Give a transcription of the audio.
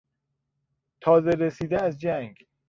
تازه رسیده از جنگ